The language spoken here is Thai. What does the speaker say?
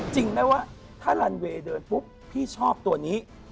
จริงไหมว่าถ้าลันเวย์เดินปุ๊บพี่ชอบตัวนี้